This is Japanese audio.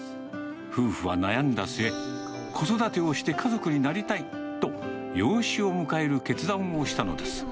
夫婦は悩んだ末、子育てをして家族になりたいと、養子を迎える決断をしたのです。